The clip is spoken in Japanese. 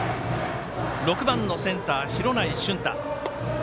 ６番のセンター、廣内駿汰。